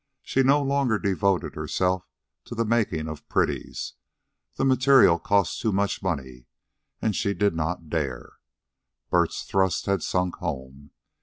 She no longer devoted herself to the making of pretties. The materials cost money, and she did not dare. Bert's thrust had sunk home.